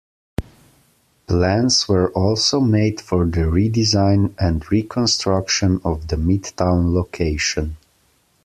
Plans were also made for the redesign and reconstruction of the Midtown location.